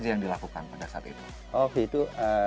yang dilakukan pada saat itu